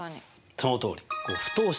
そのとおり。